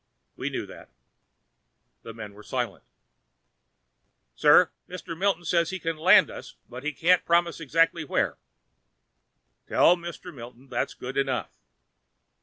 "We knew that." The men were silent. "Sir, Mr. Milton says he thinks he can land us but he can't promise exactly where." "Tell Mr. Milton that's good enough."